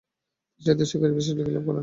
তিনি সাহিত্য ও শিক্ষা বিষয়ে ডিগ্রি লাভ করেন।